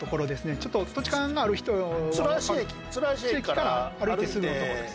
ちょっと土地勘のある人は鶴橋駅から歩いてすぐの所です